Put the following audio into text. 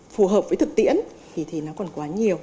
phù hợp với thực tiễn thì nó còn quá nhiều